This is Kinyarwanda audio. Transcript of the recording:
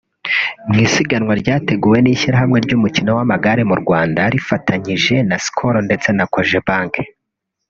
mu isiganwa ryateguwe n’ishyirahamwe ry’umukino w’amagare mu Rwanda rifatanyije na Skol ndetse na Cogebanque